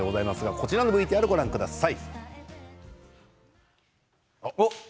こちらのＶＴＲご覧ください。